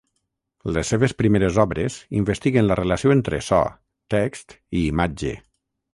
Les seves primeres obres investiguen la relació entre so, text i imatge.